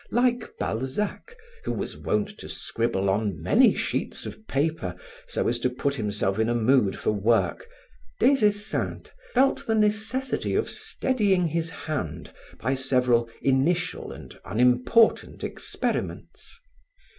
Like Balzac who was wont to scribble on many sheets of paper so as to put himself in a mood for work, Des Esseintes felt the necessity of steadying his hand by several initial and unimportant experiments.